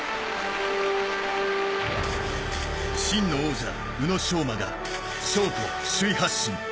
真の王者、宇野昌磨がショート首位発進。